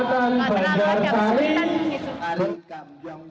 jadi enggak terlalu ada kesulitan gitu